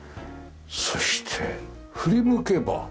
そして振り向けば。